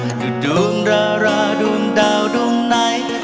หรือดวงราราหรือดวงดาวดวงไหน